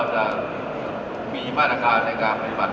ถ้าไม่พูดตรงนี้นะ